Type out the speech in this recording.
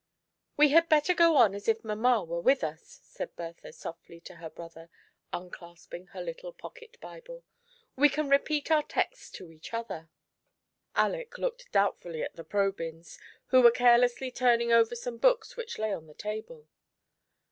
" We had better go on as if mamma were with us," said Bertha softly to her brother, unclasping her little pocket Bible. " We can repeat our texts to each other." Aleck looked doubtfully at the Probyns, who were carelessly turning over some books which lay on the table.